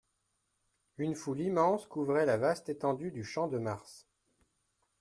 Une foule immense couvrait la vaste étendue du Champ-de-Mars.